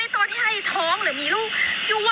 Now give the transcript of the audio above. ยูคิดอะไรของยูอยู่อ่ะ